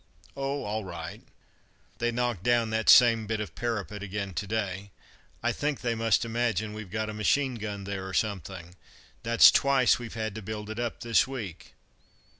"Oh, all right. They knocked down that same bit of parapet again to day. I think they must imagine we've got a machine gun there, or something. That's twice we've had to build it up this week.